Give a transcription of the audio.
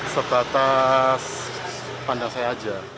sebatas pandang saya saja